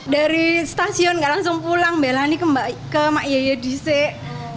dari stasiun tidak langsung pulang bella ini ke mak yaya di sini